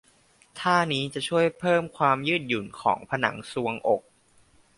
ท่านี้จะช่วยเพิ่มความยืดหยุ่นของผนังทรวงอก